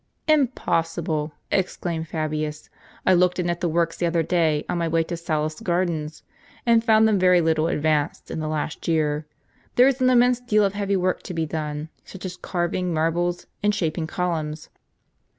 "Impossible!" exclaimed Fabius. "I looked in at the works the other day, on my way to Sallust's gardens, and found them very little advanced in the last year. There is an immense deal of heavy work to be done, such as carving marbles and shaping columns."